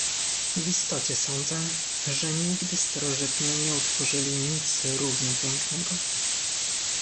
"W istocie sądzę, że nigdy starożytni nie utworzyli nic równie pięknego."